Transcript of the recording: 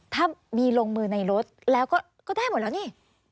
ถ้ามีลงมือในรถแล้วก็ได้หมดแล้วนี่